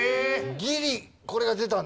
ギリこれが出たんだ。